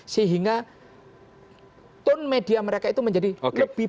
sehingga tone media mereka itu menjadi lebih baik